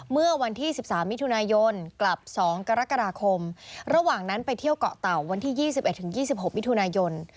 เมื่อวันที่๑๓มิถุนายนกลับ๒กรกฎาคมระหว่างนั้นไปเที่ยวเกาะเต่าวันที่๒๑๒๖มิถุนายน